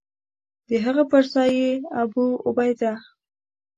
د هغه پر ځای یې ابوعبیده.